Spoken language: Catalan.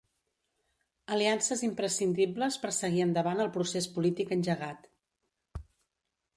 Aliances imprescindibles per seguir endavant el procés polític engegat.